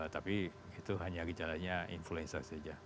tapi itu hanya gejalanya influenza saja